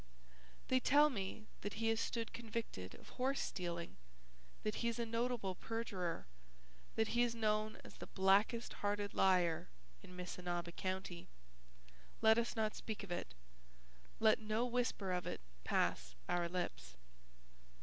They tell me that he has stood convicted of horse stealing, that he is a notable perjurer, that he is known as the blackest hearted liar in Missinaba County. Let us not speak of it. Let no whisper of it pass our lips.